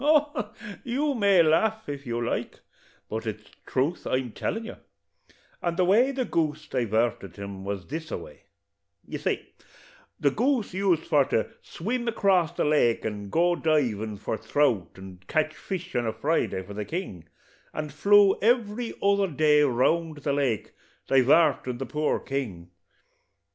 Oh, you may laugh, if you like, but it's truth I'm tellin' you; and the way the goose divarted him was this a way: You see, the goose used for to swim acrass the lake, and go divin' for throut, and cotch fish on a Friday for the king, and flew every other day round about the lake, divartin' the poor king.